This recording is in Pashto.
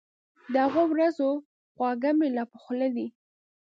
د هغو ورځو خواږه مي لا په خوله دي